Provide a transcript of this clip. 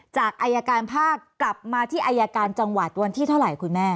จากอายการภาคกลับมาที่อายการจังหวัดวันที่เท่าไหร่คุณแม่